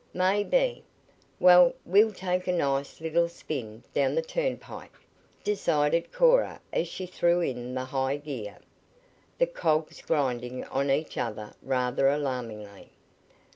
"Maybe. Well, we'll take a nice little spin down the turnpike," decided Cora as she threw in the high gear, the cogs grinding on each other rather alarmingly.